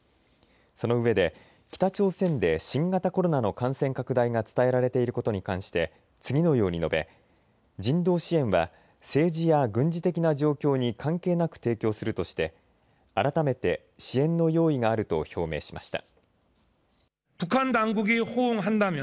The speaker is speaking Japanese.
そのうえで北朝鮮で新型コロナの感染拡大が伝えられていることに関して次のように述べ人道支援は政治や軍事的な状況に関係なく提供するとして改めて支援の用意があると表明しました。